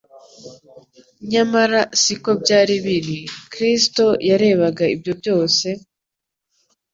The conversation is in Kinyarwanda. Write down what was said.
Nyamara siko byari biri. Kristo yarebaga ibyo byose,